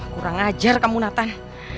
kurang ajar kamu nathan